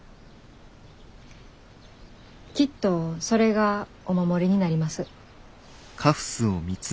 きっとそれがお守りになります。